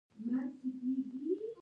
د ننګرهار په بټي کوټ کې د څه شي نښې دي؟